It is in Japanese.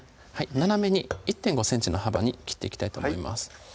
斜めに１．５ｃｍの幅に切っていきたいと思います